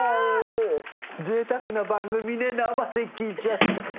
ぜいたくな番組ね生で聴いちゃって。